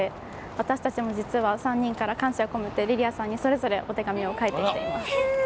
私たちも実は３人から感謝を込めてリリアさんに、それぞれお手紙を書いてきています。